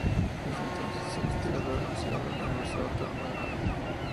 Desde entonces es investigador asociado la Universidad Autónoma de Madrid.